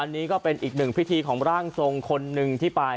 อันนี้ก็เป็นอีกหนึ่งพิธีของร่างทรงคนหนึ่งที่ไป